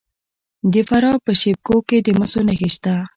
د فراه په شیب کوه کې د مسو نښې شته.